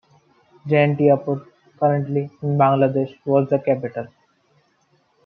Jaintiapur, currently in Bangladesh, was the capital.